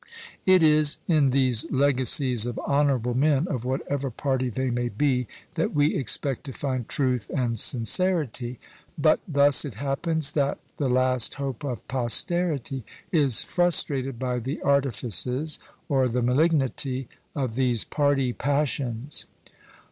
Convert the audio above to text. It is in these legacies of honourable men, of whatever party they may be, that we expect to find truth and sincerity; but thus it happens that the last hope of posterity is frustrated by the artifices, or the malignity, of these party passions.